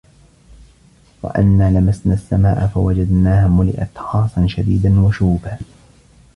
وَأَنّا لَمَسنَا السَّماءَ فَوَجَدناها مُلِئَت حَرَسًا شَديدًا وَشُهُبًا